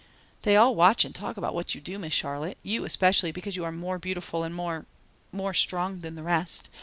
"They all watch and talk about what you do, Miss Charlotte, you especially, because you are more beautiful and more more strong than the rest.